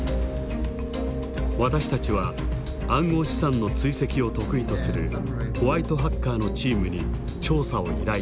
私たちは暗号資産の追跡を得意とするホワイトハッカーのチームに調査を依頼した。